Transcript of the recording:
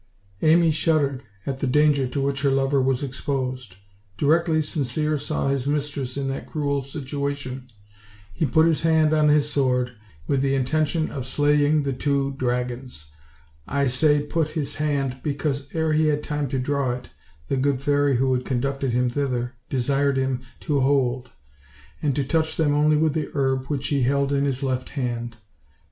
Amy shuddered at the danger to which her lover was exposed. Directly Sincere saw his mistress in that cruel situation, he put his hand on his sword with the intention of slaying the two dragons; I say put his hand, because, ere he had time to draw it, the good fairy who had conducted him thither desired him to hold, and to touch them only with the herb which he held in his left hand.